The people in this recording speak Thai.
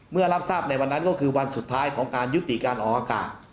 รับทราบในวันนั้นก็คือวันสุดท้ายของการยุติการออกอากาศ